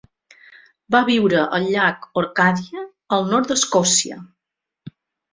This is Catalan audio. Va viure al llac Orcadie, al nord d'Escòcia.